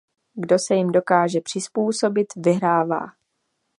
Kdo se jim dokáže přizpůsobit, vyhrává.